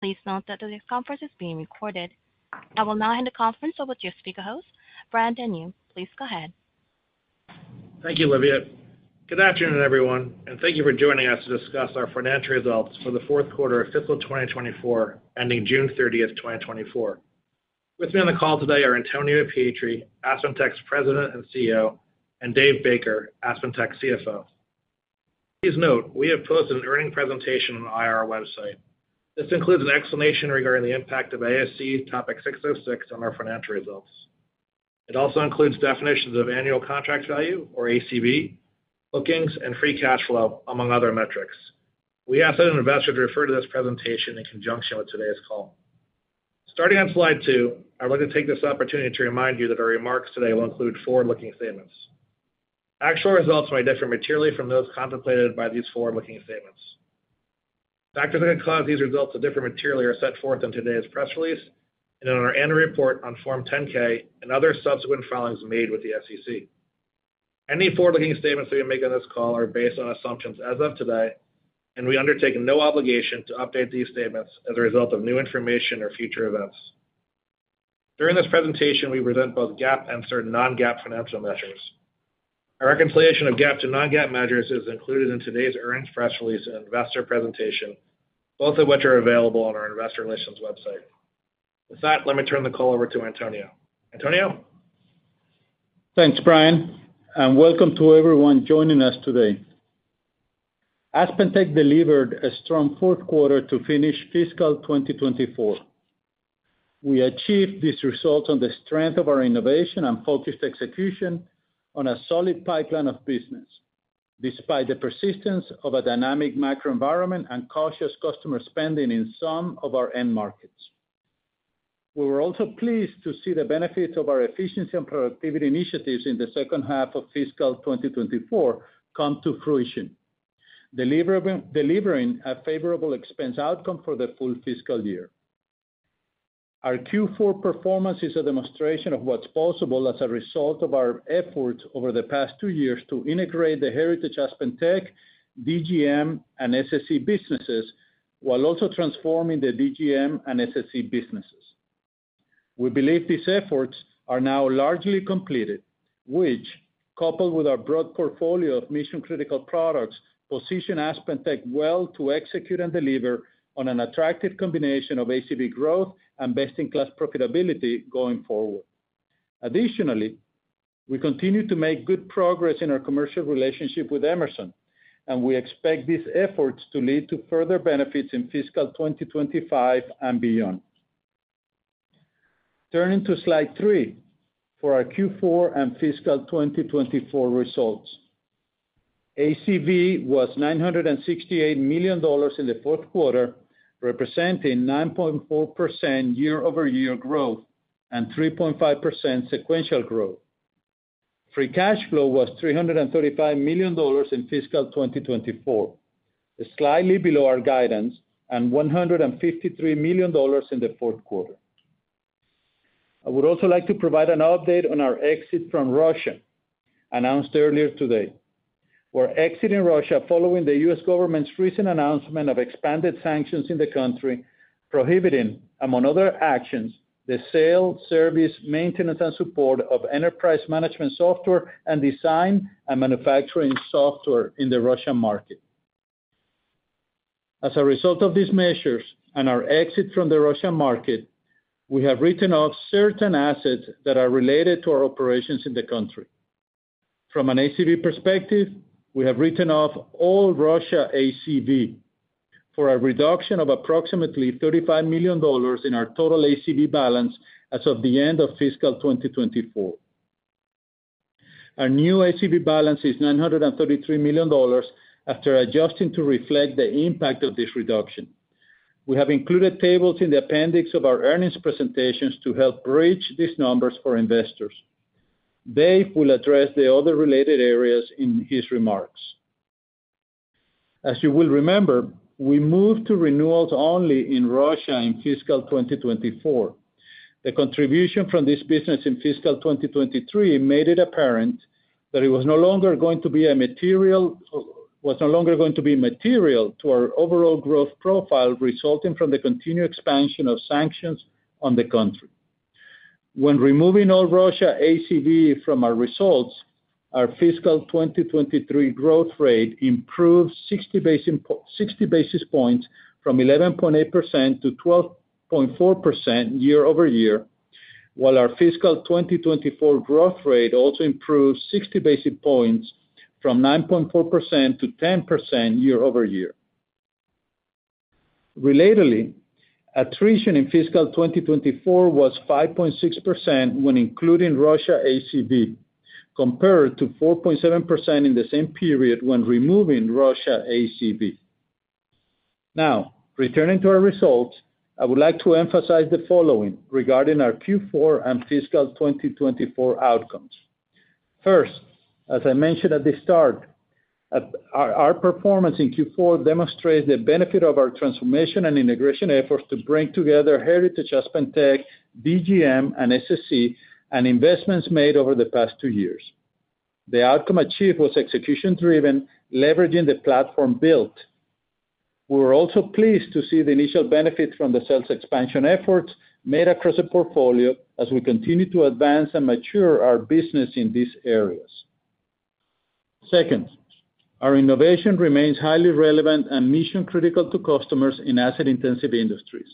Please note that today's conference is being recorded. I will now hand the conference over to your speaker host, Brian Denyeau. Please go ahead. Thank you, Olivia. Good afternoon, everyone, and thank you for joining us to discuss our financial results for the fourth quarter of fiscal 2024, ending June 30, 2024. With me on the call today are Antonio Pietri, AspenTech's President and CEO, and Dave Baker, AspenTech's CFO. Please note, we have posted an earnings presentation on our IR website. This includes an explanation regarding the impact of ASC Topic 606 on our financial results. It also includes definitions of annual contract value, or ACV, bookings, and free cash flow, among other metrics. We ask that investors refer to this presentation in conjunction with today's call. Starting on slide 2, I'd like to take this opportunity to remind you that our remarks today will include forward-looking statements. Actual results may differ materially from those contemplated by these forward-looking statements. Factors that can cause these results to differ materially are set forth in today's press release and in our annual report on Form 10-K and other subsequent filings made with the SEC. Any forward-looking statements we make on this call are based on assumptions as of today, and we undertake no obligation to update these statements as a result of new information or future events. During this presentation, we present both GAAP and certain non-GAAP financial measures. Our reconciliation of GAAP to non-GAAP measures is included in today's earnings press release and investor presentation, both of which are available on our investor relations website. With that, let me turn the call over to Antonio. Antonio? Thanks, Brian, and welcome to everyone joining us today. AspenTech delivered a strong fourth quarter to finish fiscal 2024. We achieved these results on the strength of our innovation and focused execution on a solid pipeline of business, despite the persistence of a dynamic macro environment and cautious customer spending in some of our end markets. We were also pleased to see the benefits of our efficiency and productivity initiatives in the second half of fiscal 2024 come to fruition, delivering a favorable expense outcome for the full fiscal year. Our Q4 performance is a demonstration of what's possible as a result of our efforts over the past two years to integrate the Heritage AspenTech, DGM, and SSE businesses, while also transforming the DGM and SSE businesses. We believe these efforts are now largely completed, which, coupled with our broad portfolio of mission-critical products, position AspenTech well to execute and deliver on an attractive combination of ACV growth and best-in-class profitability going forward. Additionally, we continue to make good progress in our commercial relationship with Emerson, and we expect these efforts to lead to further benefits in fiscal 2025 and beyond. Turning to slide 3 for our Q4 and fiscal 2024 results. ACV was $968 million in the fourth quarter, representing 9.4% year-over-year growth and 3.5% sequential growth. Free cash flow was $335 million in fiscal 2024, slightly below our guidance, and $153 million in the fourth quarter. I would also like to provide an update on our exit from Russia, announced earlier today. We're exiting Russia following the U.S. government's recent announcement of expanded sanctions in the country, prohibiting, among other actions, the sale, service, maintenance, and support of enterprise management software and design and manufacturing software in the Russian market. As a result of these measures and our exit from the Russian market, we have written off certain assets that are related to our operations in the country. From an ACV perspective, we have written off all Russia ACV for a reduction of approximately $35 million in our total ACV balance as of the end of fiscal 2024. Our new ACV balance is $933 million after adjusting to reflect the impact of this reduction. We have included tables in the appendix of our earnings presentations to help bridge these numbers for investors. Dave will address the other related areas in his remarks. As you will remember, we moved to renewals only in Russia in fiscal 2024. The contribution from this business in fiscal 2023 made it apparent that it was no longer going to be material to our overall growth profile, resulting from the continued expansion of sanctions on the country. When removing all Russia ACV from our results, our fiscal 2023 growth rate improved 60 basis points from 11.8%-12.4% year-over-year, while our fiscal 2024 growth rate also improved 60 basis points from 9.4%-10% year-over-year. Relatedly, attrition in fiscal 2024 was 5.6% when including Russia ACV, compared to 4.7% in the same period when removing Russia ACV. Now, returning to our results, I would like to emphasize the following regarding our Q4 and fiscal 2024 outcomes. First, as I mentioned at the start, our performance in Q4 demonstrates the benefit of our transformation and integration efforts to bring together Heritage AspenTech, DGM, and SSC, and investments made over the past two years. The outcome achieved was execution-driven, leveraging the platform built. We were also pleased to see the initial benefits from the sales expansion efforts made across the portfolio as we continue to advance and mature our business in these areas. Second, our innovation remains highly relevant and mission-critical to customers in asset-intensive industries.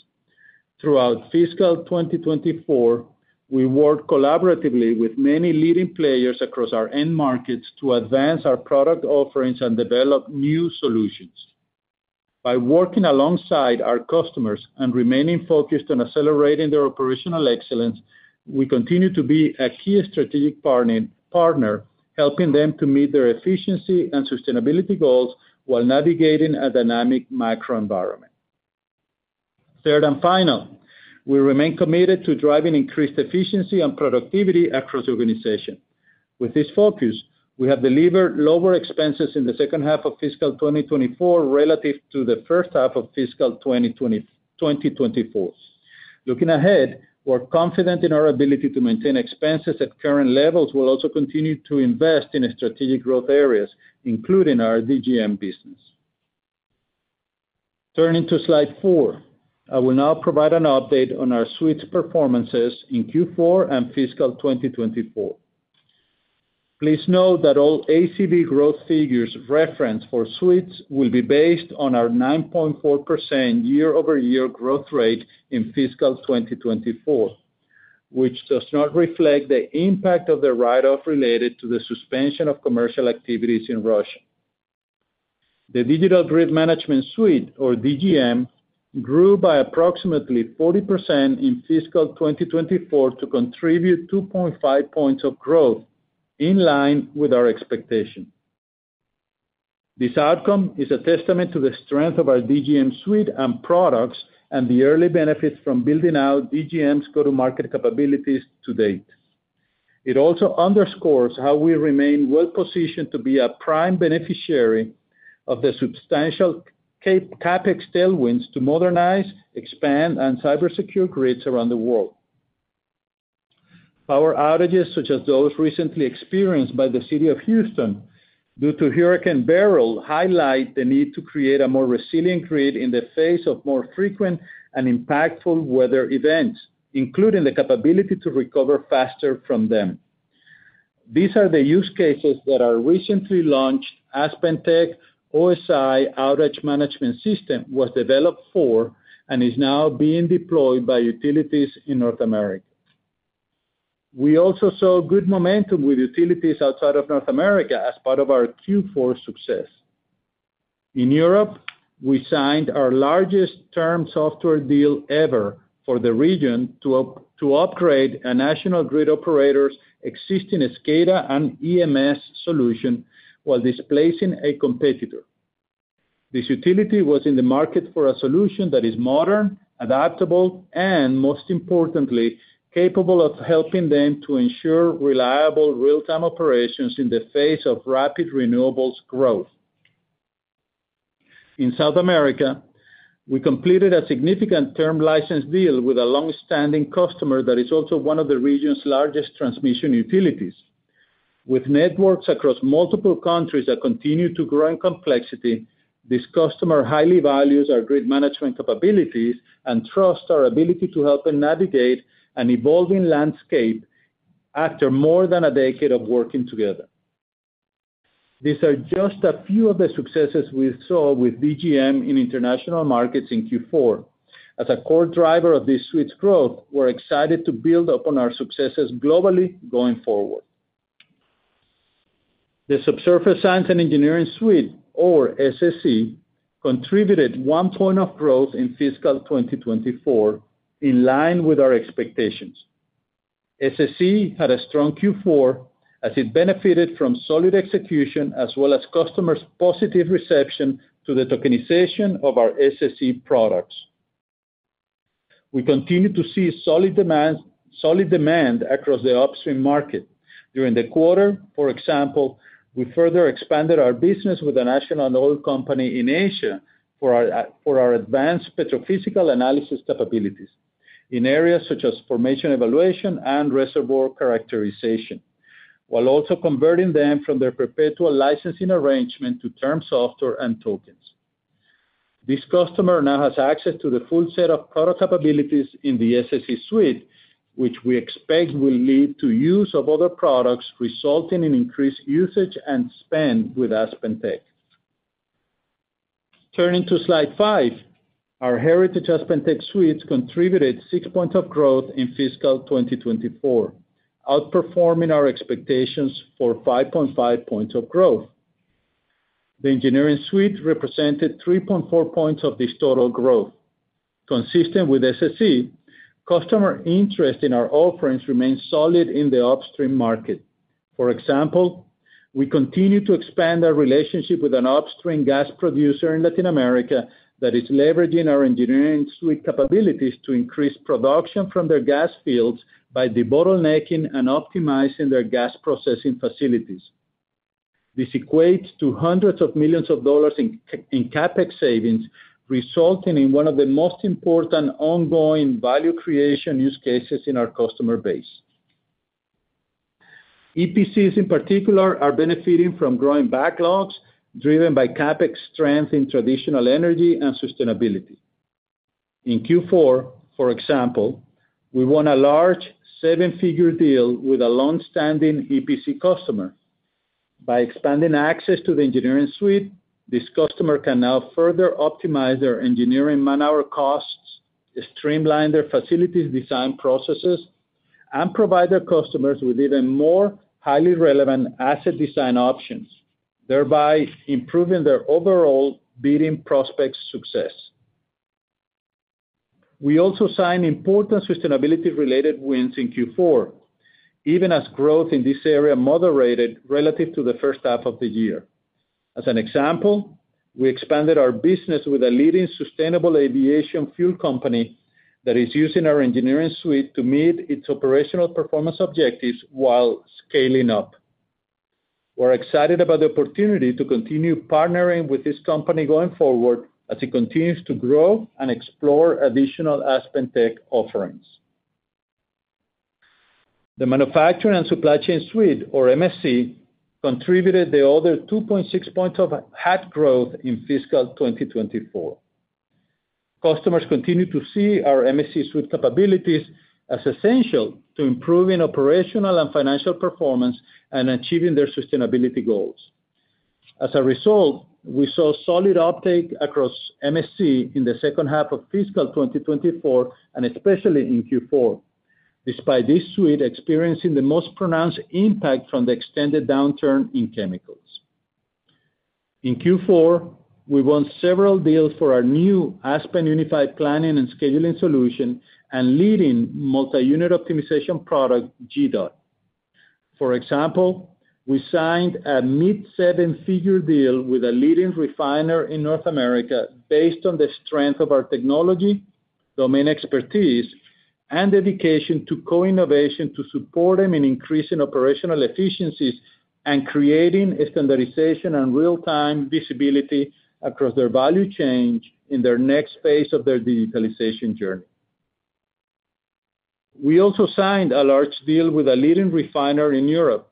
Throughout fiscal 2024, we worked collaboratively with many leading players across our end markets to advance our product offerings and develop new solutions. By working alongside our customers and remaining focused on accelerating their operational excellence, we continue to be a key strategic partner, partner, helping them to meet their efficiency and sustainability goals while navigating a dynamic macro environment. Third and final, we remain committed to driving increased efficiency and productivity across the organization. With this focus, we have delivered lower expenses in the second half of fiscal 2024 relative to the first half of fiscal twenty twenty, twenty twenty-four. Looking ahead, we're confident in our ability to maintain expenses at current levels. We'll also continue to invest in strategic growth areas, including our DGM business. Turning to Slide 4, I will now provide an update on our suites' performances in Q4 and fiscal 2024. Please note that all ACV growth figures referenced for suites will be based on our 9.4% year-over-year growth rate in fiscal 2024, which does not reflect the impact of the write-off related to the suspension of commercial activities in Russia. The Digital Grid Management Suite, or DGM, grew by approximately 40% in fiscal 2024 to contribute 2.5 points of growth, in line with our expectation. This outcome is a testament to the strength of our DGM suite and products and the early benefits from building out DGM's go-to-market capabilities to date. It also underscores how we remain well-positioned to be a prime beneficiary of the substantial CapEx tailwinds to modernize, expand, and cyber secure grids around the world. Power outages, such as those recently experienced by the city of Houston due to Hurricane Beryl, highlight the need to create a more resilient grid in the face of more frequent and impactful weather events, including the capability to recover faster from them. These are the use cases that our recently launched AspenTech OSI Outage Management System was developed for and is now being deployed by utilities in North America. We also saw good momentum with utilities outside of North America as part of our Q4 success. In Europe, we signed our largest term software deal ever for the region to upgrade a national grid operator's existing SCADA and EMS solution while displacing a competitor. This utility was in the market for a solution that is modern, adaptable, and, most importantly, capable of helping them to ensure reliable real-time operations in the face of rapid renewables growth. In South America, we completed a significant term license deal with a long-standing customer that is also one of the region's largest transmission utilities. With networks across multiple countries that continue to grow in complexity, this customer highly values our grid management capabilities and trusts our ability to help them navigate an evolving landscape after more than a decade of working together. These are just a few of the successes we saw with DGM in international markets in Q4. As a core driver of this suite's growth, we're excited to build upon our successes globally going forward. The Subsurface Science and Engineering Suite, or SSE, contributed one point of growth in fiscal 2024, in line with our expectations. SSE had a strong Q4 as it benefited from solid execution as well as customers' positive reception to the tokenization of our SSE products. We continue to see solid demands, solid demand across the upstream market. During the quarter, for example, we further expanded our business with a national oil company in Asia for our, for our advanced petrophysical analysis capabilities in areas such as formation evaluation and reservoir characterization, while also converting them from their perpetual licensing arrangement to term software and tokens. This customer now has access to the full set of product capabilities in the SSE suite, which we expect will lead to use of other products, resulting in increased usage and spend with AspenTech. Turning to Slide 5, our heritage AspenTech suites contributed 6 points of growth in fiscal 2024, outperforming our expectations for 5.5 points of growth. The engineering suite represented 3.4 points of this total growth. Consistent with SSE, customer interest in our offerings remains solid in the upstream market. For example, we continue to expand our relationship with an upstream gas producer in Latin America that is leveraging our Engineering Suite capabilities to increase production from their gas fields by debottlenecking and optimizing their gas processing facilities... This equates to hundreds of millions of dollars in CapEx savings, resulting in one of the most important ongoing value creation use cases in our customer base. EPCs, in particular, are benefiting from growing backlogs, driven by CapEx strength in traditional energy and sustainability. In Q4, for example, we won a large seven-figure deal with a long-standing EPC customer. By expanding access to the Engineering Suite, this customer can now further optimize their engineering man-hour costs, streamline their facilities design processes, and provide their customers with even more highly relevant asset design options, thereby improving their overall bidding prospects success. We also signed important sustainability-related wins in Q4, even as growth in this area moderated relative to the first half of the year. As an example, we expanded our business with a leading sustainable aviation fuel company that is using our Engineering Suite to meet its operational performance objectives while scaling up. We're excited about the opportunity to continue partnering with this company going forward as it continues to grow and explore additional AspenTech offerings. The Manufacturing and Supply Chain Suite, or MSC, contributed the other 2.6 points of HAT growth in fiscal 2024. Customers continue to see our MSC suite capabilities as essential to improving operational and financial performance and achieving their sustainability goals. As a result, we saw solid uptake across MSC in the second half of fiscal 2024, and especially in Q4, despite this suite experiencing the most pronounced impact from the extended downturn in chemicals. In Q4, we won several deals for our new Aspen Unified planning and scheduling solution and leading multi-unit optimization product, GDOT. For example, we signed a mid-seven-figure deal with a leading refiner in North America based on the strength of our technology, domain expertise, and dedication to co-innovation to support them in increasing operational efficiencies and creating a standardization and real-time visibility across their value chain in their next phase of their digitalization journey. We also signed a large deal with a leading refiner in Europe.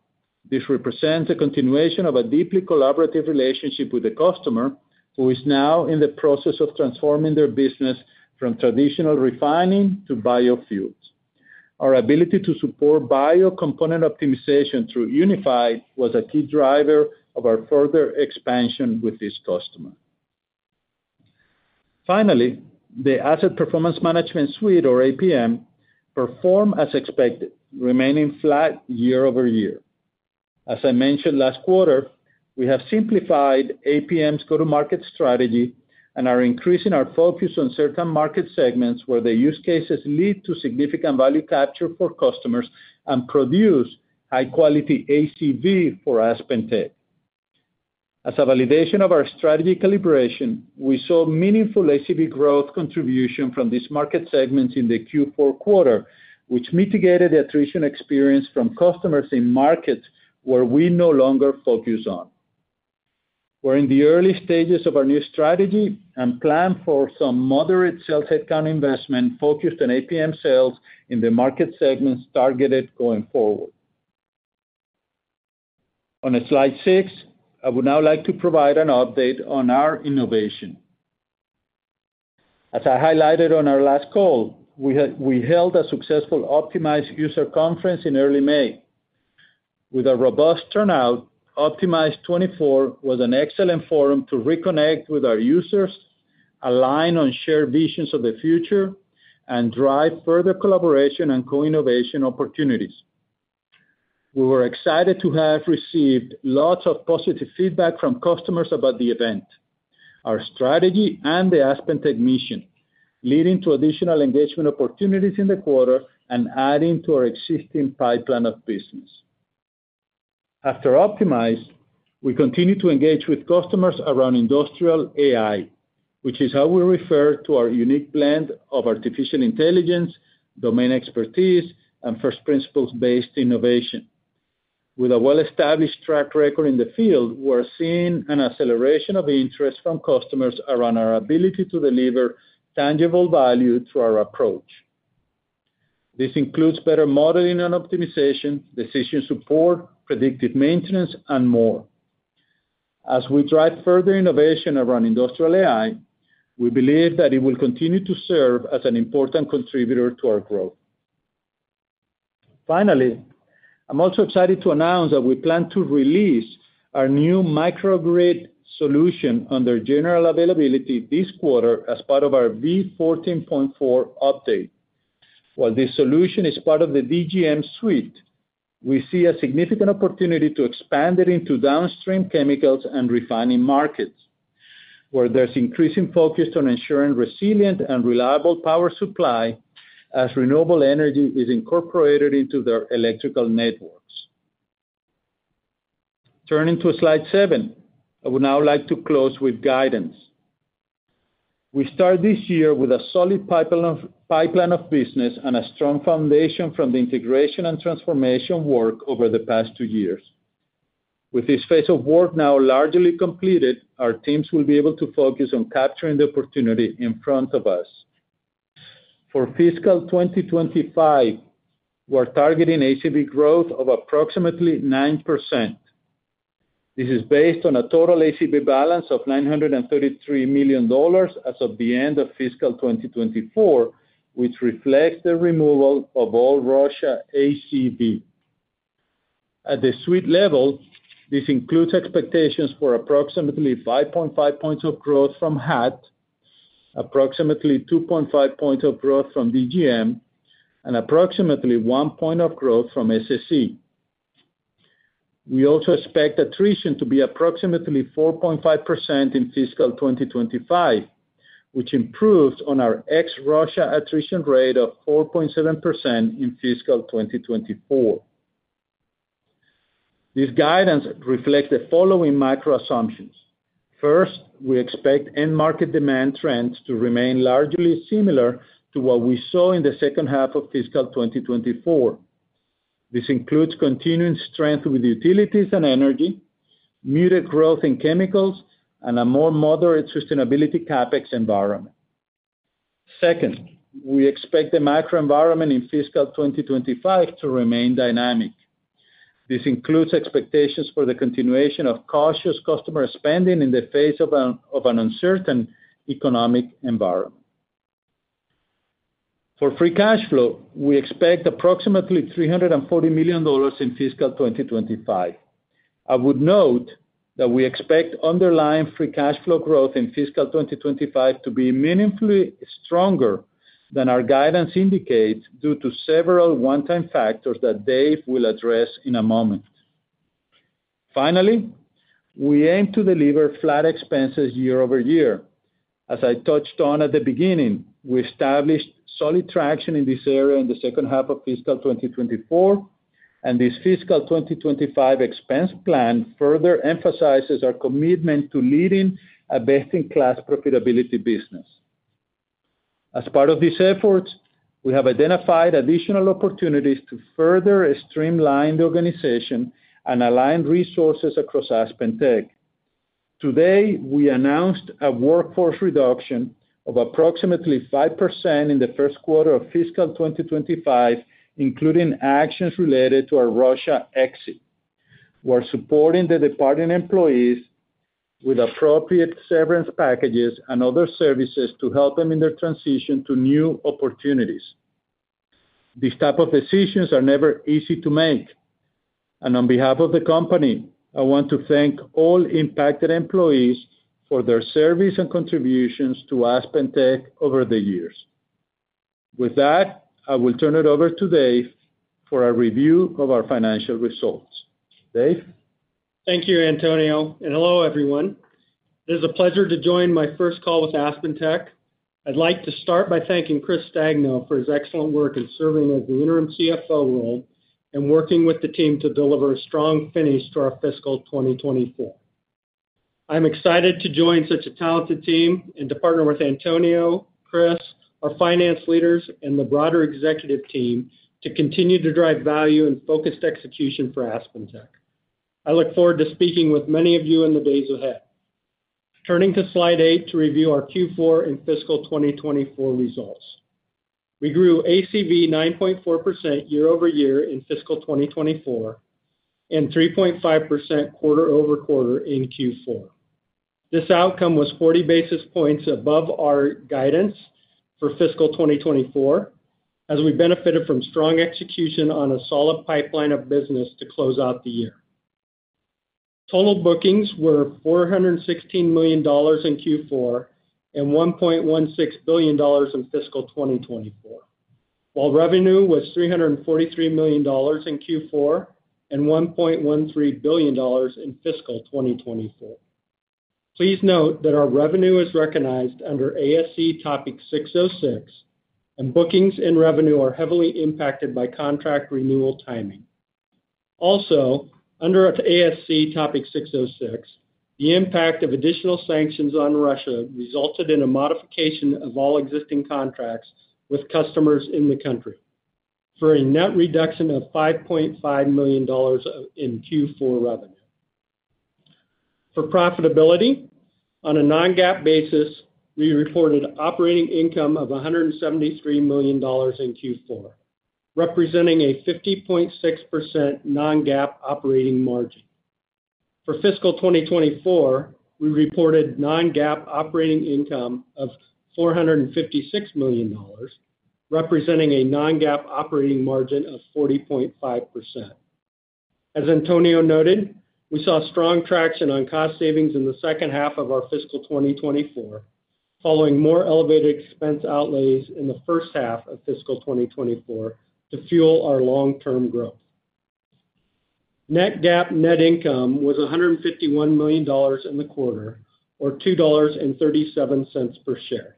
This represents a continuation of a deeply collaborative relationship with the customer, who is now in the process of transforming their business from traditional refining to biofuels. Our ability to support bio-component optimization through Unify was a key driver of our further expansion with this customer. Finally, the Asset Performance Management Suite, or APM, performed as expected, remaining flat year-over-year. As I mentioned last quarter, we have simplified APM's go-to-market strategy and are increasing our focus on certain market segments where the use cases lead to significant value capture for customers and produce high-quality ACV for AspenTech. As a validation of our strategy calibration, we saw meaningful ACV growth contribution from these market segments in the Q4 quarter, which mitigated the attrition experience from customers in markets where we no longer focus on. We're in the early stages of our new strategy and plan for some moderate sales headcount investment focused on APM sales in the market segments targeted going forward. On to slide 6, I would now like to provide an update on our innovation. As I highlighted on our last call, we held a successful Optimize user conference in early May. With a robust turnout, Optimize 24 was an excellent forum to reconnect with our users, align on shared visions of the future, and drive further collaboration and co-innovation opportunities. We were excited to have received lots of positive feedback from customers about the event, our strategy, and the AspenTech mission, leading to additional engagement opportunities in the quarter and adding to our existing pipeline of business. After Optimize, we continued to engage with customers around Industrial AI, which is how we refer to our unique blend of artificial intelligence, domain expertise, and first-principles-based innovation. With a well-established track record in the field, we're seeing an acceleration of interest from customers around our ability to deliver tangible value to our approach. This includes better modeling and optimization, decision support, predictive maintenance, and more. As we drive further innovation around industrial AI, we believe that it will continue to serve as an important contributor to our growth. Finally, I'm also excited to announce that we plan to release our new microgrid solution under general availability this quarter as part of our V14.4 update. While this solution is part of the DGM suite, we see a significant opportunity to expand it into downstream chemicals and refining markets, where there's increasing focus on ensuring resilient and reliable power supply as renewable energy is incorporated into their electrical networks. Turning to slide 7, I would now like to close with guidance. We start this year with a solid pipeline of business and a strong foundation from the integration and transformation work over the past two years. With this phase of work now largely completed, our teams will be able to focus on capturing the opportunity in front of us. For fiscal 2025, we're targeting ACV growth of approximately 9%. This is based on a total ACV balance of $933 million as of the end of fiscal 2024, which reflects the removal of all Russia ACV. At the suite level, this includes expectations for approximately 5.5 points of growth from HAT, approximately 2.5 points of growth from DGM, and approximately 1 point of growth from SSE. We also expect attrition to be approximately 4.5% in fiscal 2025, which improves on our ex-Russia attrition rate of 4.7% in fiscal 2024. This guidance reflects the following macro assumptions: First, we expect end market demand trends to remain largely similar to what we saw in the second half of fiscal 2024. This includes continuing strength with utilities and energy, muted growth in chemicals, and a more moderate sustainability CapEx environment. Second, we expect the macro environment in fiscal 2025 to remain dynamic. This includes expectations for the continuation of cautious customer spending in the face of an uncertain economic environment. For free cash flow, we expect approximately $340 million in fiscal 2025. I would note that we expect underlying free cash flow growth in fiscal 2025 to be meaningfully stronger than our guidance indicates, due to several one-time factors that Dave will address in a moment. Finally, we aim to deliver flat expenses year-over-year. As I touched on at the beginning, we established solid traction in this area in the second half of fiscal 2024, and this fiscal 2025 expense plan further emphasizes our commitment to leading a best-in-class profitability business. As part of these efforts, we have identified additional opportunities to further streamline the organization and align resources across AspenTech. Today, we announced a workforce reduction of approximately 5% in the first quarter of fiscal 2025, including actions related to our Russia exit. We're supporting the departing employees with appropriate severance packages and other services to help them in their transition to new opportunities. These type of decisions are never easy to make, and on behalf of the company, I want to thank all impacted employees for their service and contributions to AspenTech over the years. With that, I will turn it over to Dave for a review of our financial results. Dave? Thank you, Antonio, and hello, everyone. It is a pleasure to join my first call with AspenTech. I'd like to start by thanking Chris Stagno for his excellent work in serving as the interim CFO role and working with the team to deliver a strong finish to our fiscal 2024. I'm excited to join such a talented team and to partner with Antonio, Chris, our finance leaders, and the broader executive team to continue to drive value and focused execution for AspenTech. I look forward to speaking with many of you in the days ahead. Turning to slide 8 to review our Q4 and fiscal 2024 results. We grew ACV 9.4% year-over-year in fiscal 2024, and 3.5% quarter-over-quarter in Q4. This outcome was 40 basis points above our guidance for fiscal 2024, as we benefited from strong execution on a solid pipeline of business to close out the year. Total bookings were $416 million in Q4, and $1.16 billion in fiscal 2024, while revenue was $343 million in Q4 and $1.13 billion in fiscal 2024. Please note that our revenue is recognized under ASC Topic 606, and bookings and revenue are heavily impacted by contract renewal timing. Also, under ASC Topic 606, the impact of additional sanctions on Russia resulted in a modification of all existing contracts with customers in the country, for a net reduction of $5.5 million in Q4 revenue. For profitability, on a non-GAAP basis, we reported operating income of $173 million in Q4, representing a 50.6% non-GAAP operating margin. For fiscal 2024, we reported non-GAAP operating income of $456 million, representing a non-GAAP operating margin of 40.5%. As Antonio noted, we saw strong traction on cost savings in the second half of our fiscal 2024, following more elevated expense outlays in the first half of fiscal 2024 to fuel our long-term growth. Net GAAP net income was $151 million in the quarter, or $2.37 per share,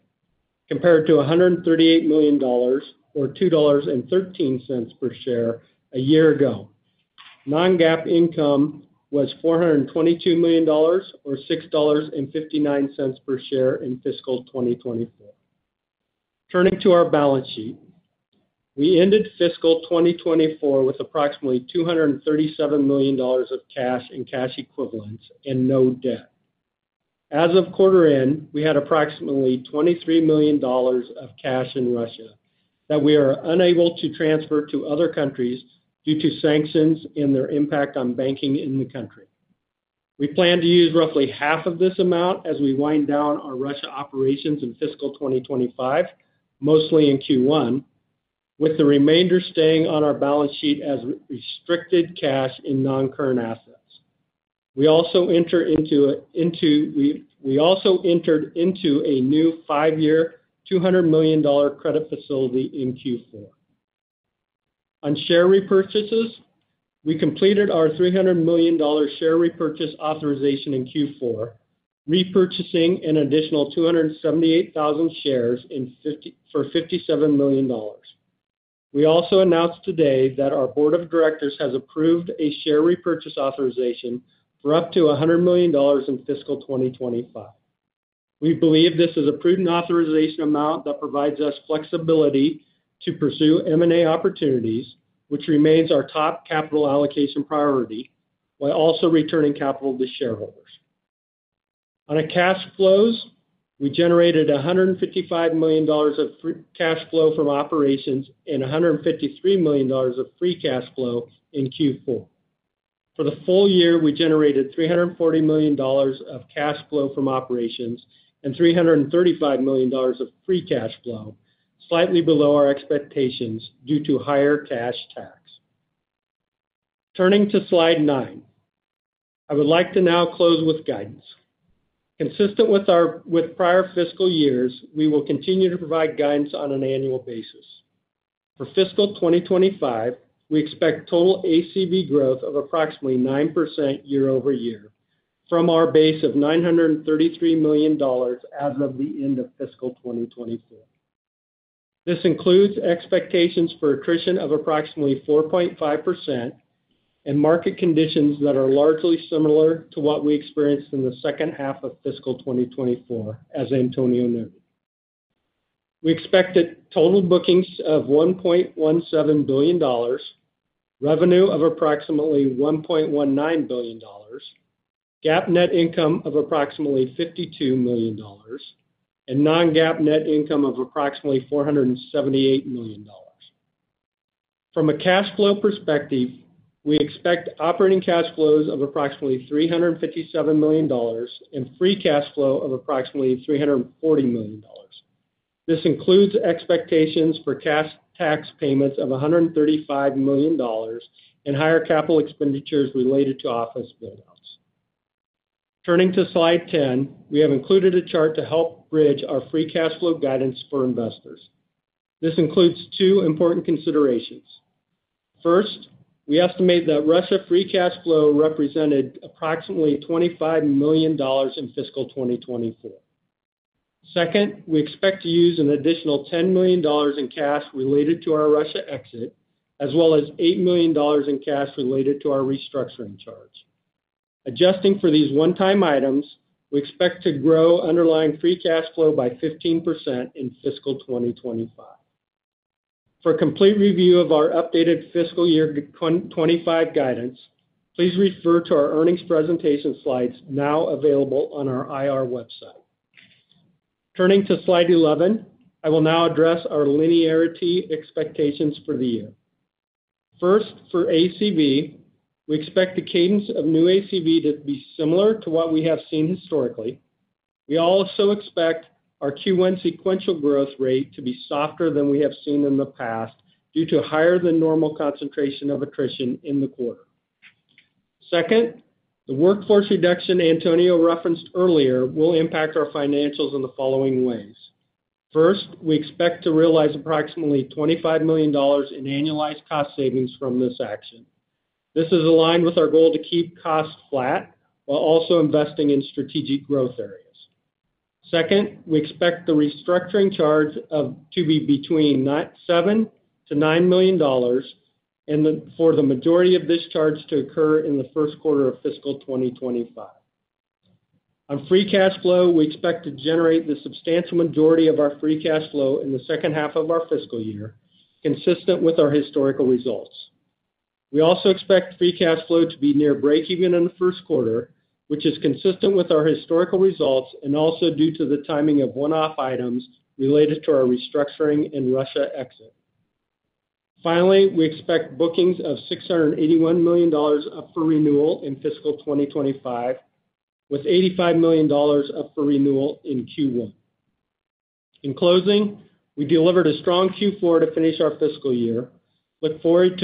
compared to $138 million, or $2.13 per share a year ago. Non-GAAP income was $422 million or $6.59 per share in fiscal 2024. Turning to our balance sheet, we ended fiscal 2024 with approximately $237 million of cash and cash equivalents and no debt. As of quarter end, we had approximately $23 million of cash in Russia that we are unable to transfer to other countries due to sanctions and their impact on banking in the country. We plan to use roughly half of this amount as we wind down our Russia operations in fiscal 2025, mostly in Q1, with the remainder staying on our balance sheet as restricted cash in non-current assets. We also entered into a new five-year, $200 million credit facility in Q4. On share repurchases, we completed our $300 million share repurchase authorization in Q4, repurchasing an additional 278,000 shares, for $57 million. We also announced today that our board of directors has approved a share repurchase authorization for up to $100 million in fiscal 2025. We believe this is a prudent authorization amount that provides us flexibility to pursue M&A opportunities, which remains our top capital allocation priority, while also returning capital to shareholders. On cash flows, we generated $155 million of free cash flow from operations and $153 million of free cash flow in Q4. For the full-year, we generated $340 million of cash flow from operations and $335 million of free cash flow, slightly below our expectations due to higher cash tax. Turning to Slide 9, I would like to now close with guidance. Consistent with our prior fiscal years, we will continue to provide guidance on an annual basis. For fiscal 2025, we expect total ACV growth of approximately 9% year-over-year from our base of $933 million as of the end of fiscal 2024, as Antonio noted. We expected total bookings of $1.17 billion, revenue of approximately $1.19 billion, GAAP net income of approximately $52 million, and non-GAAP net income of approximately $478 million. From a cash flow perspective, we expect operating cash flows of approximately $357 million and free cash flow of approximately $340 million. This includes expectations for cash tax payments of $135 million and higher capital expenditures related to office build-outs. Turning to Slide 10, we have included a chart to help bridge our free cash flow guidance for investors. This includes two important considerations. First, we estimate that Russia free cash flow represented approximately $25 million in fiscal 2024. Second, we expect to use an additional $10 million in cash related to our Russia exit, as well as $8 million in cash related to our restructuring charge. Adjusting for these one-time items, we expect to grow underlying free cash flow by 15% in fiscal 2025. For a complete review of our updated fiscal year 2025 guidance, please refer to our earnings presentation slides now available on our IR website. Turning to Slide 11, I will now address our linearity expectations for the year. First, for ACV, we expect the cadence of new ACV to be similar to what we have seen historically. We also expect our Q1 sequential growth rate to be softer than we have seen in the past, due to a higher than normal concentration of attrition in the quarter. Second, the workforce reduction Antonio referenced earlier will impact our financials in the following ways. First, we expect to realize approximately $25 million in annualized cost savings from this action. This is aligned with our goal to keep costs flat while also investing in strategic growth areas. Second, we expect the restructuring charge to be between $7 million-$9 million, and for the majority of this charge to occur in the first quarter of fiscal 2025. On free cash flow, we expect to generate the substantial majority of our free cash flow in the second half of our fiscal year, consistent with our historical results. We also expect free cash flow to be near breakeven in the first quarter, which is consistent with our historical results and also due to the timing of one-off items related to our restructuring and Russia exit. Finally, we expect bookings of $681 million up for renewal in fiscal 2025, with $85 million up for renewal in Q1. In closing, we delivered a strong Q4 to finish our fiscal year. Looking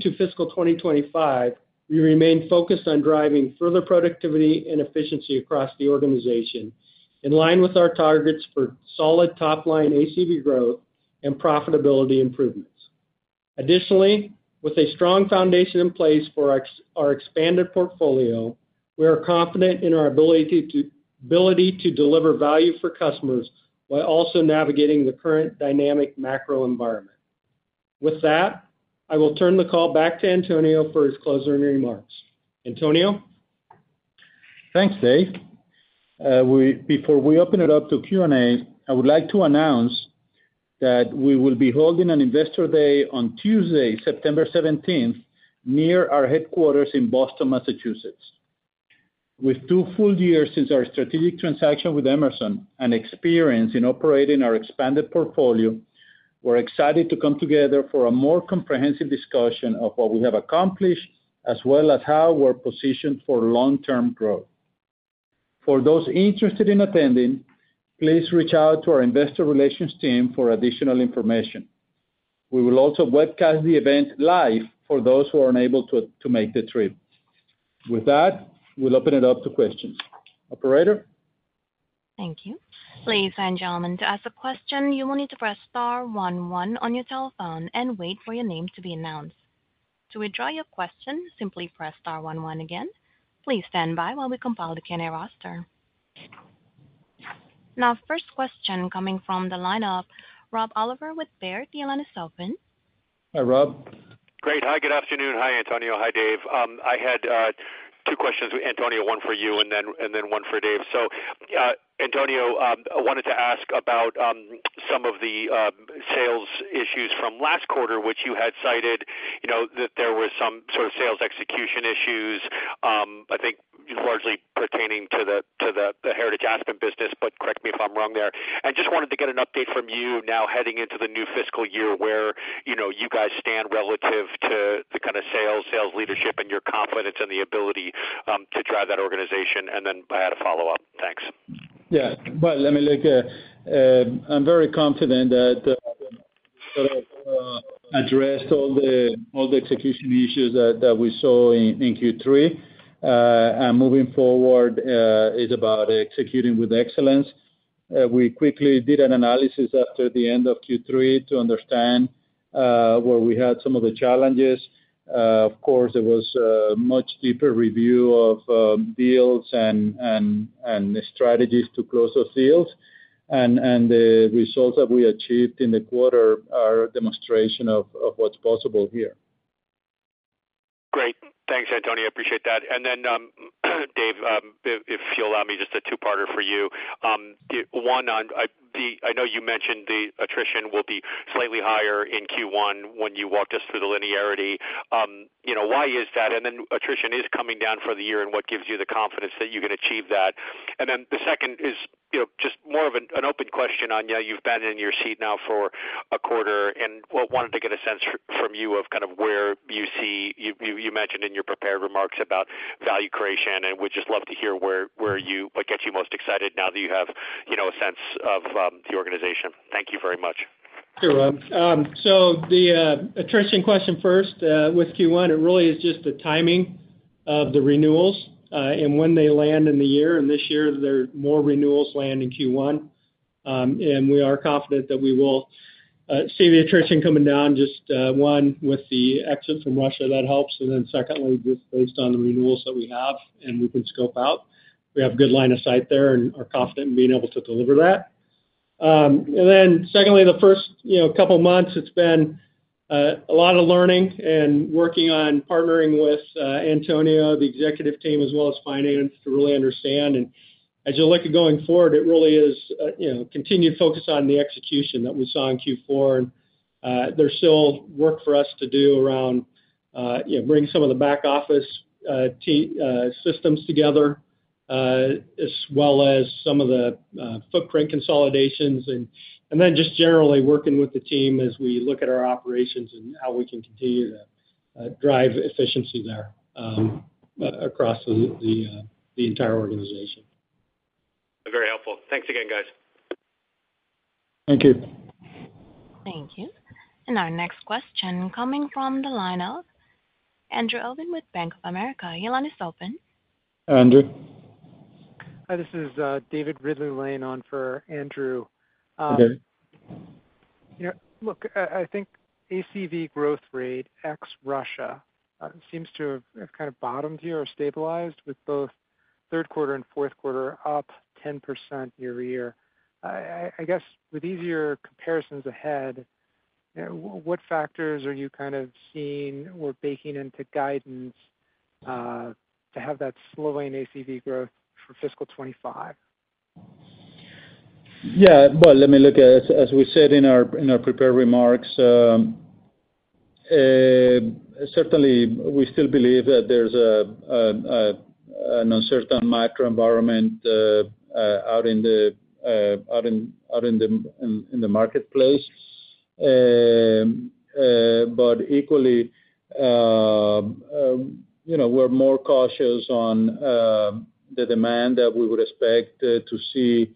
to fiscal 2025, we remain focused on driving further productivity and efficiency across the organization, in line with our targets for solid top-line ACV growth and profitability improvements. Additionally, with a strong foundation in place for our expanded portfolio, we are confident in our ability to deliver value for customers, while also navigating the current dynamic macro environment. With that, I will turn the call back to Antonio for his closing remarks. Antonio? Thanks, Dave. Before we open it up to Q&A, I would like to announce that we will be holding an Investor Day on Tuesday, September 17th, near our headquarters in Boston, Massachusetts. With two full-years since our strategic transaction with Emerson and experience in operating our expanded portfolio, we're excited to come together for a more comprehensive discussion of what we have accomplished, as well as how we're positioned for long-term growth. For those interested in attending, please reach out to our investor relations team for additional information. We will also webcast the event live for those who are unable to, to make the trip. With that, we'll open it up to questions. Operator? Thank you. Ladies and gentlemen, to ask a question, you will need to press star one one on your telephone and wait for your name to be announced. To withdraw your question, simply press star one one again. Please stand by while we compile the Q&A roster. Now, first question coming from the line of Rob Oliver with Baird. The line is open. Hi, Rob. Great. Hi, good afternoon. Hi, Antonio. Hi, Dave. I had two questions, Antonio, one for you, and then one for Dave. So, Antonio, I wanted to ask about some of the sales issues from last quarter, which you had cited, you know, that there was some sort of sales execution issues, I think largely pertaining to the heritage Aspen business, but correct me if I'm wrong there. I just wanted to get an update from you now, heading into the new fiscal year, where, you know, you guys stand relative to the kind of sales, sales leadership, and your confidence in the ability to drive that organization. And then I had a follow-up. Thanks. Yeah, well, let me look. I'm very confident that addressed all the execution issues that we saw in Q3. And moving forward, is about executing with excellence. We quickly did an analysis after the end of Q3 to understand where we had some of the challenges. Of course, it was a much deeper review of deals and the strategies to close those deals. And the results that we achieved in the quarter are a demonstration of what's possible here. Great. Thanks, Antonio. I appreciate that. And then, Dave, if you'll allow me just a two-parter for you. One, I know you mentioned the attrition will be slightly higher in Q1 when you walked us through the linearity. You know, why is that? And then attrition is coming down for the year, and what gives you the confidence that you can achieve that? And then the second is, you know, just more of an open question on, yeah, you've been in your seat now for a quarter, and wanted to get a sense from you of kind of where you see. You mentioned in your prepared remarks about value creation, and we'd just love to hear where you what gets you most excited now that you have, you know, a sense of the organization. Thank you very much. Sure, Rob. So the attrition question first, with Q1, it really is just the timing of the renewals, and when they land in the year, and this year, there are more renewals landing Q1. And we are confident that we will see the attrition coming down, just one, with the exit from Russia, that helps, and then secondly, just based on the renewals that we have and we can scope out. We have good line of sight there and are confident in being able to deliver that. And then secondly, the first, you know, couple months, it's been a lot of learning and working on partnering with Antonio, the executive team, as well as finance, to really understand. And as you look at going forward, it really is, you know, continued focus on the execution that we saw in Q4. And there's still work for us to do around, you know, bringing some of the back office systems together, as well as some of the footprint consolidations. And then just generally working with the team as we look at our operations and how we can continue to drive efficiency there, across the entire organization. Very helpful. Thanks again, guys. Thank you. Thank you. Our next question coming from the line of Andrew Obin with Bank of America. Your line is open. Andrew? Hi, this is David Ridley-Lane for Andrew. Okay. Yeah, look, I think ACV growth rate ex Russia seems to have kind of bottomed here or stabilized, with both third quarter and fourth quarter up 10% year-over-year. I guess with easier comparisons ahead, what factors are you kind of seeing or baking into guidance to have that slowing ACV growth for fiscal 2025? Yeah, well, let me look at it. As we said in our prepared remarks, certainly we still believe that there's an uncertain macro environment out in the marketplace. But equally, you know, we're more cautious on the demand that we would expect to see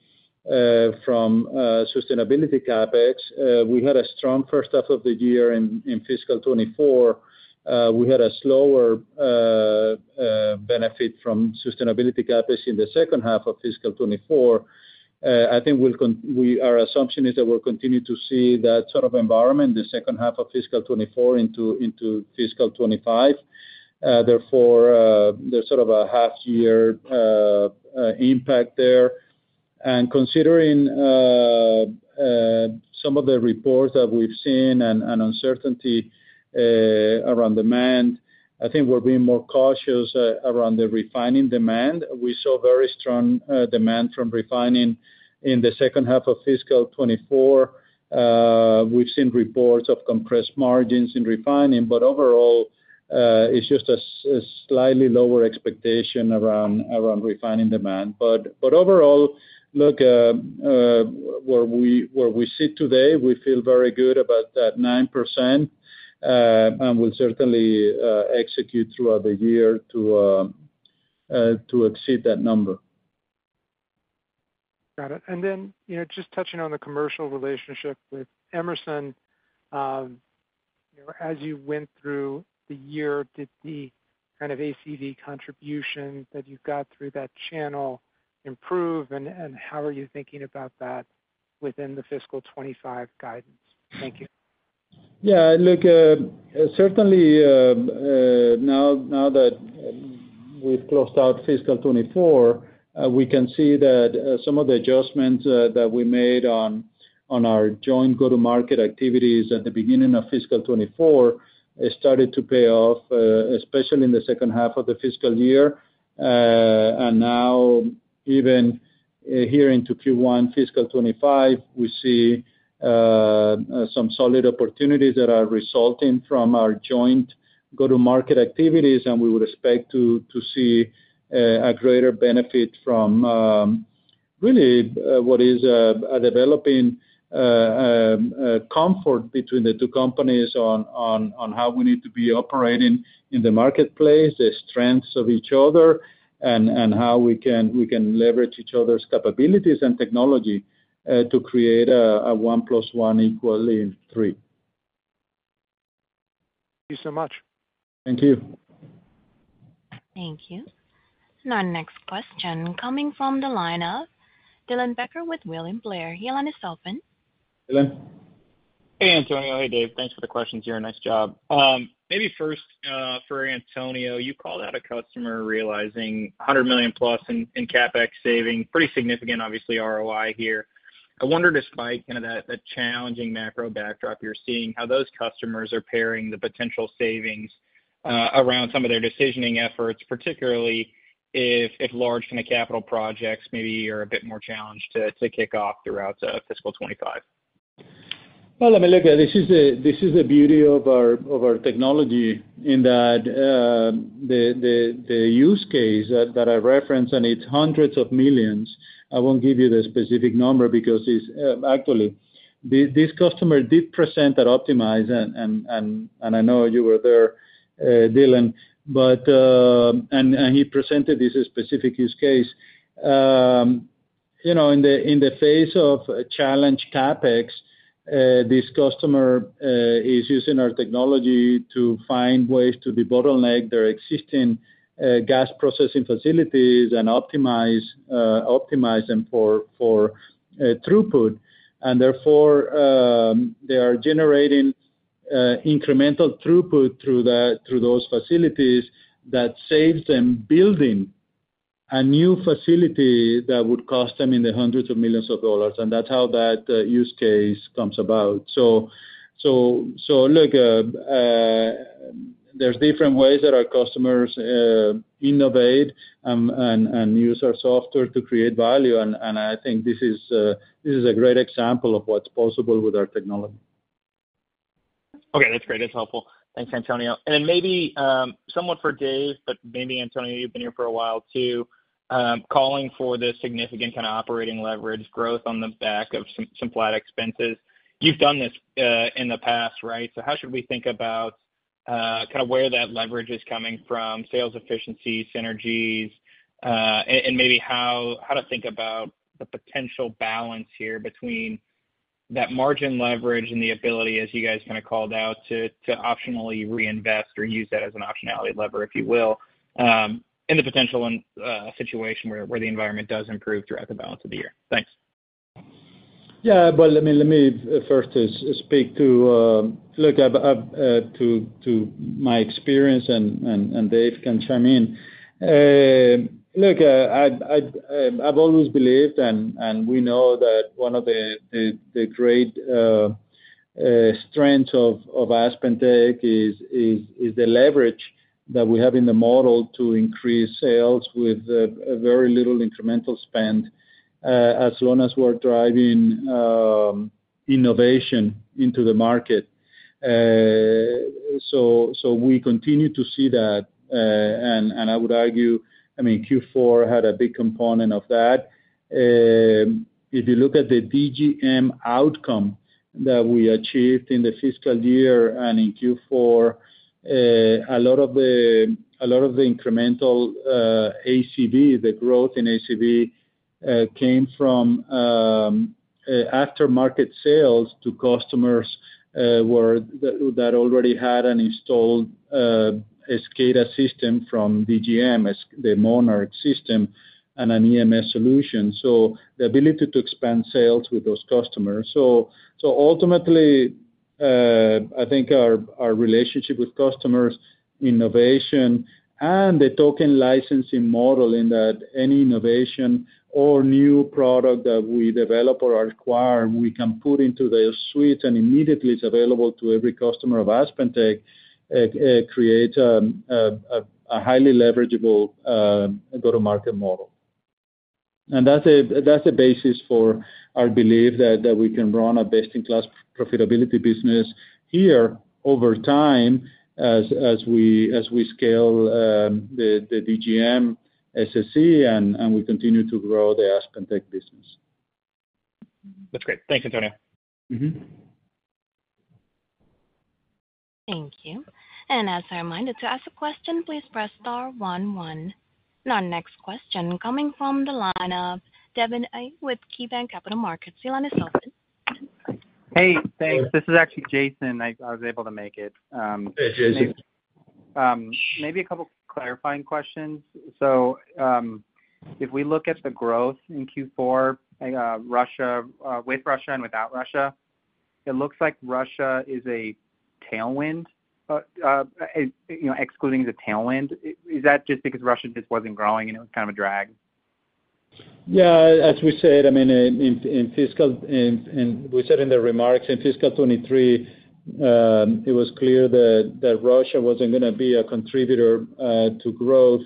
from sustainability CapEx. We had a strong first half of the year in fiscal 2024. We had a slower benefit from sustainability CapEx in the second half of fiscal 2024. Our assumption is that we'll continue to see that sort of environment in the second half of fiscal 2024 into fiscal 2025. Therefore, there's sort of a half year impact there. And considering some of the reports that we've seen and uncertainty around demand, I think we're being more cautious around the refining demand. We saw very strong demand from refining in the second half of fiscal 2024. We've seen reports of compressed margins in refining, but overall, it's just a slightly lower expectation around refining demand. But overall, look, where we sit today, we feel very good about that 9%, and we'll certainly execute throughout the year to exceed that number. Got it. And then, you know, just touching on the commercial relationship with Emerson, you know, as you went through the year, did the kind of ACV contribution that you got through that channel improve? And how are you thinking about that within the fiscal 2025 guidance? Thank you. Yeah, look, certainly, now that we've closed out fiscal 2024, we can see that some of the adjustments that we made on our joint go-to-market activities at the beginning of fiscal 2024 has started to pay off, especially in the second half of the fiscal year. And now even here into Q1 fiscal 2025, we see some solid opportunities that are resulting from our joint go-to-market activities, and we would expect to see a greater benefit from really what is a developing comfort between the two companies on how we need to be operating in the marketplace, the strengths of each other, and how we can leverage each other's capabilities and technology to create a one plus one equaling three. Thank you so much. Thank you. Thank you. Our next question coming from the line of Dylan Becker with William Blair. Your line is open. Dylan? Hey, Antonio. Hey, Dave. Thanks for the questions here, nice job. Maybe first, for Antonio, you called out a customer realizing $100+ million in CapEx savings. Pretty significant, obviously, ROI here. I wonder, despite kind of the, the challenging macro backdrop you're seeing, how those customers are pairing the potential savings, around some of their decisioning efforts, particularly if, if large kind of capital projects maybe are a bit more challenged to, to kick off throughout, fiscal 2025. Well, let me look. This is the beauty of our technology, in that the use case that I referenced, and it's hundreds of millions. I won't give you the specific number because it's... Actually, this customer did present at Optimize, and I know you were there, Dylan. But... And he presented this specific use case. You know, in the face of challenged CapEx, this customer is using our technology to find ways to debottleneck their existing gas processing facilities and optimize them for throughput. And therefore, they are generating incremental throughput through those facilities that saves them building a new facility that would cost them in the hundreds of millions of dollars, and that's how that use case comes about. So look, there's different ways that our customers innovate, and use our software to create value, and I think this is a great example of what's possible with our technology. Okay, that's great. That's helpful. Thanks, Antonio. And then maybe, somewhat for Dave, but maybe Antonio, you've been here for a while, too. Calling for this significant kind of operating leverage growth on the back of some flat expenses. You've done this in the past, right? So how should we think about kind of where that leverage is coming from, sales efficiency, synergies, and maybe how to think about the potential balance here between that margin leverage and the ability, as you guys kind of called out, to optionally reinvest or use that as an optionality lever, if you will, in the potential situation where the environment does improve throughout the balance of the year? Thanks. Yeah. Well, let me first speak to my experience, and Dave can chime in. Look, I've always believed, and we know that one of the great strength of AspenTech is the leverage that we have in the model to increase sales with very little incremental spend, as long as we're driving innovation into the market. So, we continue to see that, and I would argue, I mean, Q4 had a big component of that. If you look at the DGM outcome that we achieved in the fiscal year and in Q4, a lot of the incremental ACV, the growth in ACV, came from... Aftermarket sales to customers that already had an installed SCADA system from DGM, as the Monarch system and an EMS solution, so the ability to expand sales with those customers. So ultimately, I think our relationship with customers, innovation, and the token licensing model, in that any innovation or new product that we develop or acquire, we can put into the suite, and immediately it's available to every customer of AspenTech, create a highly leverageable go-to-market model. And that's a basis for our belief that we can run a best-in-class profitability business here over time as we scale the DGM SSE, and we continue to grow the AspenTech business. That's great. Thanks, Antonio. Thank you. And as a reminder, to ask a question, please press star one one. Our next question coming from the line of Jason Celino with KeyBanc Capital Markets. Your line is open. Hey, thanks. This is actually Jason. I was able to make it. Hey, Jason. Maybe a couple clarifying questions. So, if we look at the growth in Q4, Russia, with Russia and without Russia, it looks like Russia is a tailwind. You know, excluding the tailwind, is that just because Russia just wasn't growing, and it was kind of a drag? Yeah, as we said, I mean, we said in the remarks, in fiscal 2023, it was clear that Russia wasn't gonna be a contributor to growth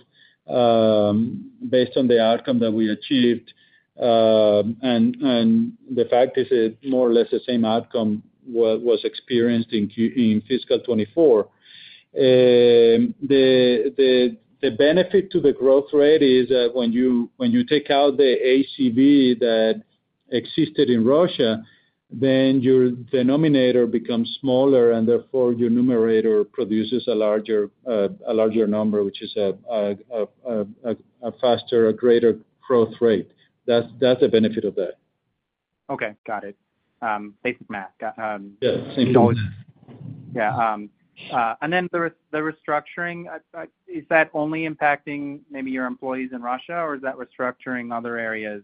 based on the outcome that we achieved. And the fact is that more or less the same outcome was experienced in fiscal 2024. The benefit to the growth rate is that when you take out the ACV that existed in Russia, then your denominator becomes smaller, and therefore your numerator produces a larger number, which is a faster, greater growth rate. That's the benefit of that. Okay. Got it. Basic math, go. Yes. Yeah. And then the restructuring, is that only impacting maybe your employees in Russia, or is that restructuring other areas?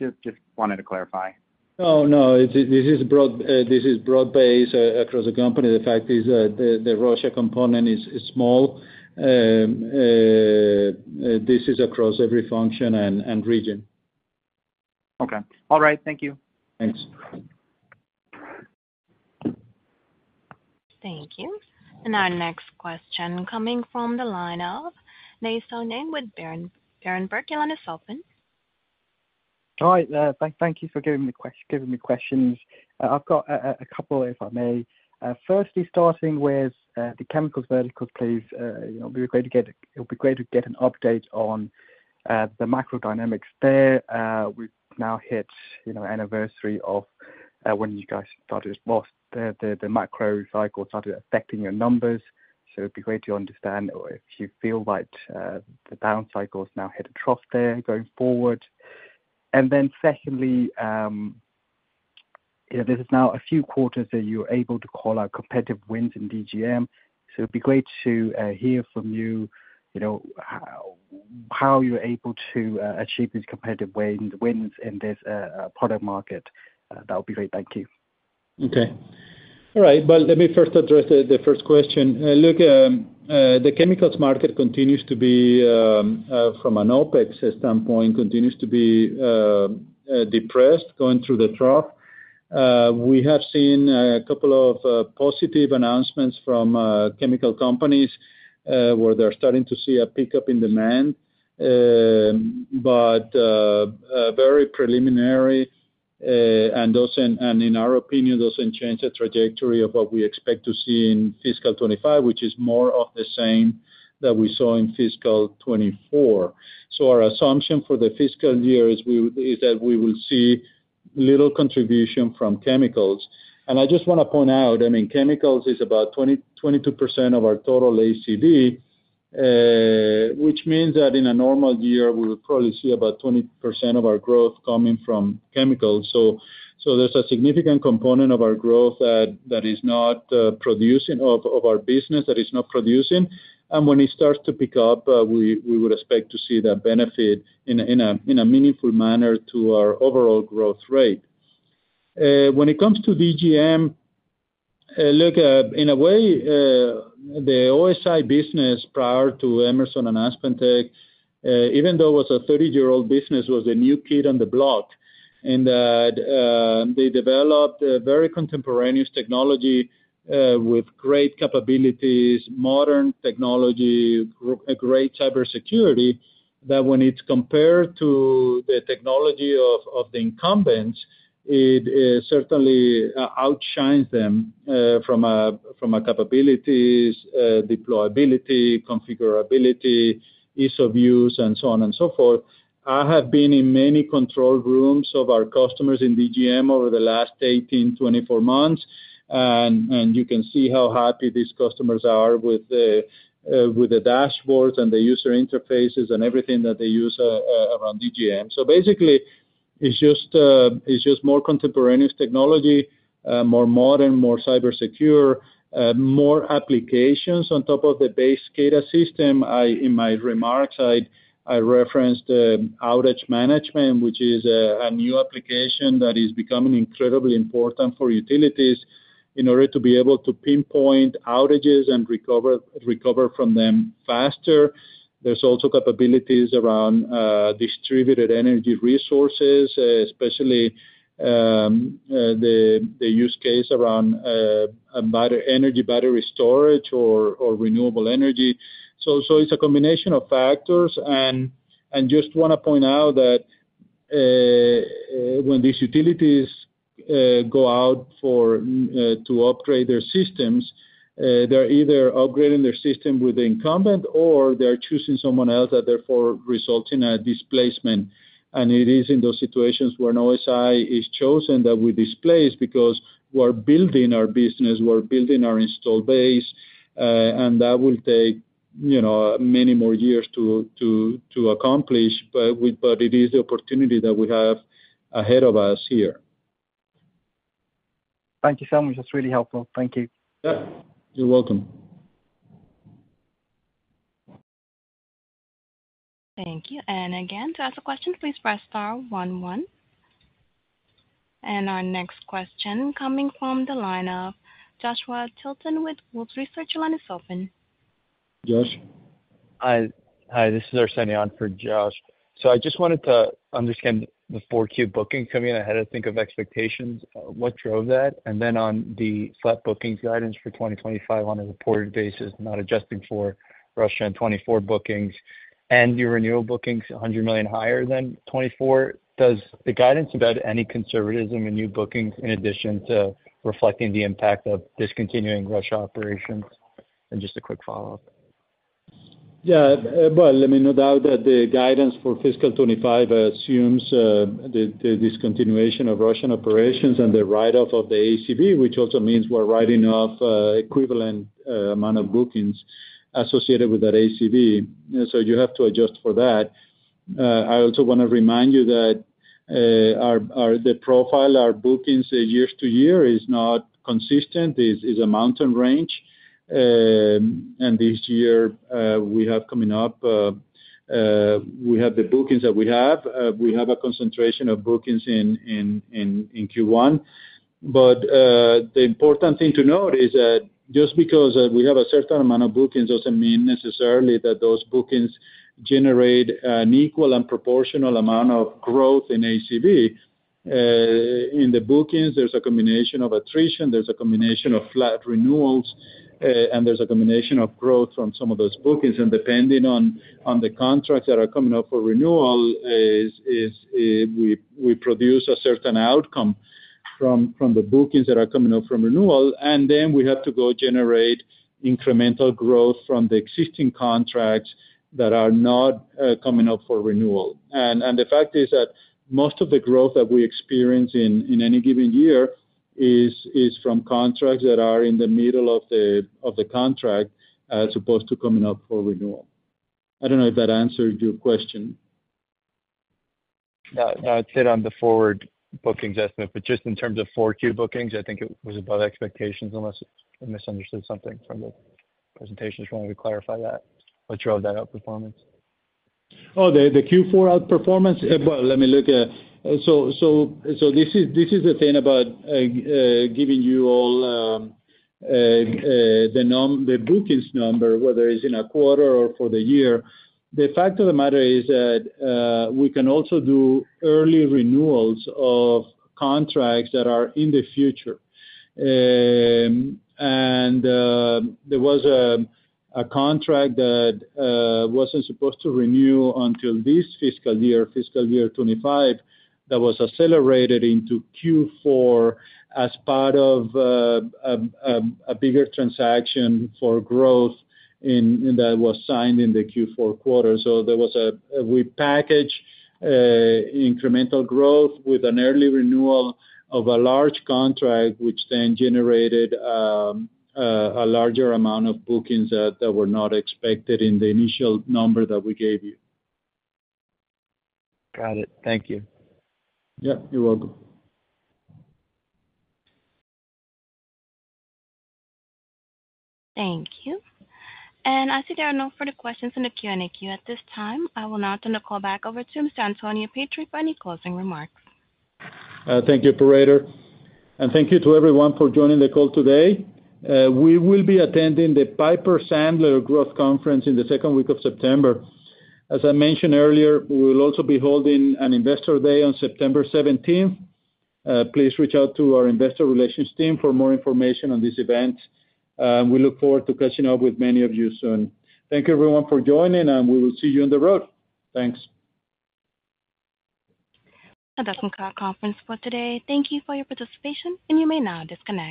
Just wanted to clarify. Oh, no, this is broad ,this is broad-based across the company. The fact is that the Russia component is small. This is across every function and region. Okay. All right. Thank you. Thanks. Thank you. Our next question coming from the line of Nay Soe Naing with Berenberg. Your line is open. Hi, thank you for taking my questions. I've got a couple, if I may. Firstly, starting with the chemicals vertical, please. You know, it'll be great to get an update on the market dynamics there. We've now hit, you know, the anniversary of when you guys started, well, the market cycle started affecting your numbers, so it'd be great to understand or if you feel like the down cycle has now hit a trough there going forward. And then secondly, you know, this is now a few quarters that you're able to call out competitive wins in DGM, so it'd be great to hear from you, you know, how you're able to achieve these competitive wins in this product market. That would be great. Thank you. Okay. All right, well, let me first address the first question. Look, the chemicals market continues to be, from an OpEx standpoint, continues to be depressed, going through the trough. We have seen a couple of positive announcements from chemical companies, where they're starting to see a pickup in demand. But very preliminary, and also, and in our opinion, doesn't change the trajectory of what we expect to see in fiscal 2025, which is more of the same that we saw in fiscal 2024. So our assumption for the fiscal year is we, is that we will see little contribution from chemicals. And I just wanna point out, I mean, chemicals is about 22% of our total ACV, which means that in a normal year, we would probably see about 20% of our growth coming from chemicals. So there's a significant component of our growth that is not producing, of our business, that is not producing. And when it starts to pick up, we would expect to see that benefit in a meaningful manner to our overall growth rate. When it comes to DGM, look, in a way, the OSI business, prior to Emerson and AspenTech, even though it was a 30-year-old business, was a new kid on the block. And that, they developed a very contemporaneous technology with great capabilities, modern technology, a great cybersecurity, that when it's compared to the technology of the incumbents, it certainly outshines them from a capabilities, deployability, configurability, ease of use, and so on and so forth. I have been in many control rooms of our customers in DGM over the last 18-24 months, and you can see how happy these customers are with the dashboards and the user interfaces and everything that they use around DGM. So basically, it's just more contemporaneous technology, more modern, more cyber secure, more applications on top of the base SCADA system. In my remarks, I referenced outage management, which is a new application that is becoming incredibly important for utilities in order to be able to pinpoint outages and recover from them faster. There's also capabilities around distributed energy resources, especially the use case around a battery storage or renewable energy. So it's a combination of factors. And just wanna point out that when these utilities go out to upgrade their systems, they're either upgrading their system with the incumbent or they're choosing someone else, that therefore resulting in a displacement. And it is in those situations where an OSI is chosen that we displace, because we're building our business, we're building our install base, and that will take, you know, many more years to accomplish. But it is the opportunity that we have ahead of us here. Thank you so much. That's really helpful. Thank you. Yeah, you're welcome. Thank you. And again, to ask a question, please press star one one. And our next question coming from the line of Joshua Tilton with Wolfe Research. Your line is open. Josh? Hi, hi, this is Arsenian for Josh. So I just wanted to understand the Q4 bookings coming in ahead of, I think, expectations. What drove that? And then on the flat bookings guidance for 2025 on a reported basis, not adjusting for Russia and 2024 bookings, and your renewal bookings, $100 million higher than 2024, does the guidance about any conservatism in new bookings, in addition to reflecting the impact of discontinuing Russia operations? And just a quick follow-up. Yeah, but let me make no doubt that the guidance for fiscal 2025 assumes the discontinuation of Russian operations and the write-off of the ACV, which also means we're writing off equivalent amount of bookings associated with that ACV. So you have to adjust for that. I also wanna remind you that our bookings year to year is not consistent, is a mountain range. And this year, we have coming up, we have the bookings that we have. We have a concentration of bookings in Q1. But the important thing to note is that just because we have a certain amount of bookings doesn't mean necessarily that those bookings generate an equal and proportional amount of growth in ACV. In the bookings, there's a combination of attrition, there's a combination of flat renewals, and there's a combination of growth from some of those bookings. And depending on the contracts that are coming up for renewal, we produce a certain outcome from the bookings that are coming up for renewal. And then we have to go generate incremental growth from the existing contracts that are not coming up for renewal. And the fact is that most of the growth that we experience in any given year is from contracts that are in the middle of the contract, as opposed to coming up for renewal. I don't know if that answered your question. Yeah, yeah, it did on the forward bookings estimate, but just in terms of 4Q bookings, I think it was above expectations, unless I misunderstood something from the presentation. Just wanted to clarify that. What drove that outperformance? Oh, the Q4 outperformance? Well, let me look. So this is the thing about giving you all the bookings number, whether it's in a quarter or for the year. The fact of the matter is that we can also do early renewals of contracts that are in the future. And there was a contract that wasn't supposed to renew until this fiscal year, fiscal year 2025, that was accelerated into Q4 as part of a bigger transaction for growth in, and that was signed in the Q4 quarter. So there was we packaged incremental growth with an early renewal of a large contract, which then generated a larger amount of bookings that were not expected in the initial number that we gave you. Got it. Thank you. Yeah, you're welcome. Thank you. I see there are no further questions in the Q&A queue at this time. I will now turn the call back over to Mr. Antonio Pietri for any closing remarks. Thank you, operator, and thank you to everyone for joining the call today. We will be attending the Piper Sandler Growth Conference in the second week of September. As I mentioned earlier, we will also be holding an Investor Day on September 17th. Please reach out to our investor relations team for more information on this event. We look forward to catching up with many of you soon. Thank you everyone for joining, and we will see you on the road. Thanks. That's our conference for today. Thank you for your participation, and you may now disconnect.